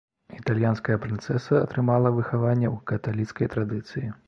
Італьянская прынцэса атрымала выхаванне ў каталіцкай традыцыі.